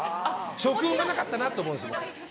食運がなかったなって思うんです